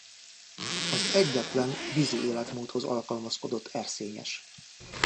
Az egyetlen vízi életmódhoz alkalmazkodott erszényes.